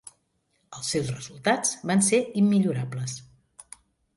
Els seus resultats van ser immillorables.